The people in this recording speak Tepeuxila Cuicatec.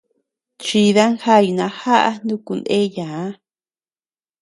Chidan jañ najaʼa nuku ndeyaa.